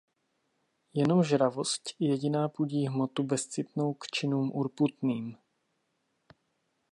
Jenom žravosť jediná pudí hmotu bezcitnou k činům urputným.